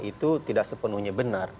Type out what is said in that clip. itu tidak sepenuhnya benar